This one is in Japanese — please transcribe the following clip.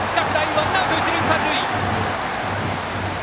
ワンアウト、一塁三塁！